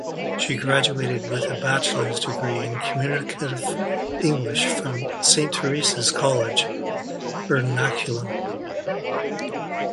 She graduated with a bachelor's degree in Communicative English from Saint Teresa's College, Ernakulam.